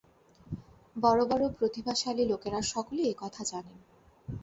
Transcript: বড় বড় প্রতিভাশালী লোকেরা সকলেই এ-কথা জানেন।